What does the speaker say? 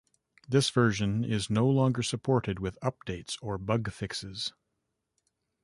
This version is no longer supported with updates or bugfixes.